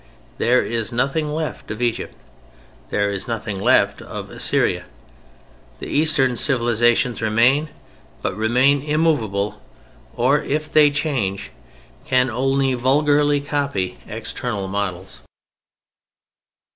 There is nothing left of Egypt, there is nothing left of Assyria. The Eastern civilizations remain, but remain immovable; or if they change can only vulgarly copy external models.